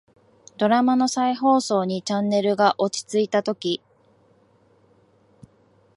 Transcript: ドラマの再放送にチャンネルが落ち着いたとき、